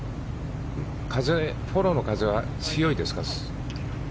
フォローの風は強いですか？